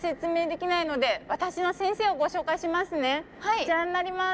こちらになります！